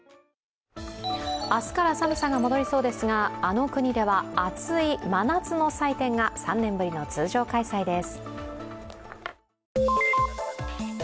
明日から寒さが戻りそうですがあの国では熱い真夏の祭典が３年ぶりの通常開催です。